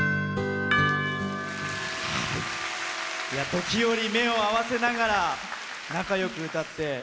時折、目を合わせながら仲よく歌って。